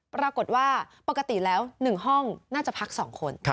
ปรากฏว่าปกติแล้ว๑ห้องน่าจะพัก๒คน